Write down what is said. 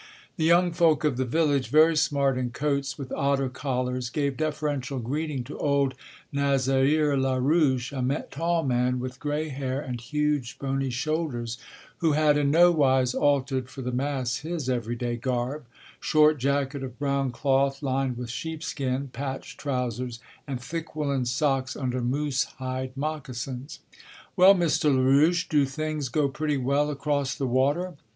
The young folk of the village, very smart in coats with otter collars, gave deferential greeting to old Nazaire Larouche; a tall man with gray hair and huge bony shoulders who had in no wise altered for the mass his everyday garb: short jacket of brown cloth lined with sheepskin, patched trousers, and thick woollen socks under moose hide moccasins. "Well, Mr. Larouche, do things go pretty well across the water?"